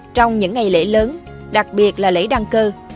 trong những ngày lễ lớn đặc biệt là lễ đăng cơ